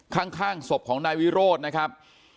ข้างศพของนายวิโรธนะครับ